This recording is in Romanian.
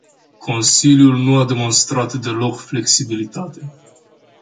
Consiliul nu a demostat deloc flexibilitate.